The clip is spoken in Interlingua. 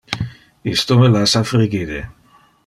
Isto me lassa frigide.